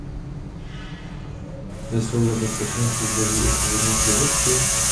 Nesou za bezpečnost zboží odpovědnost dovozci?